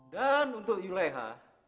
dan untuk juleha